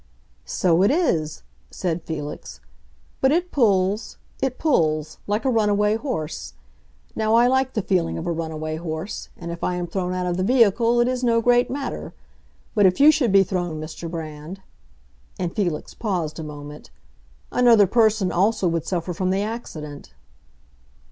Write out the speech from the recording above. "So it is," said Felix. "But it pulls—it pulls—like a runaway horse. Now I like the feeling of a runaway horse; and if I am thrown out of the vehicle it is no great matter. But if you should be thrown, Mr. Brand"—and Felix paused a moment—"another person also would suffer from the accident."